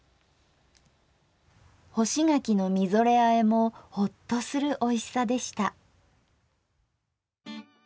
「干し柿のみぞれあえ」もホッとするおいしさでした。